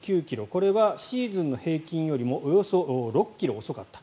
これはシーズンの平均よりもおよそ６ｋｍ遅かった。